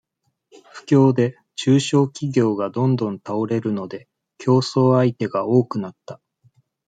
不況で、中小企業がどんどん倒れるので、競争相手が多くなった。